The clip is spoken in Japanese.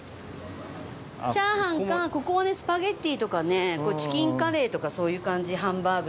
チャーハンかここはスパゲティとかねチキンカレーとかそういう感じハンバーグとか。